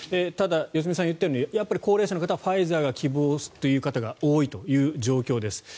ただ、良純さんが言ったように高齢者の方はファイザーを希望という方が多いという状況です。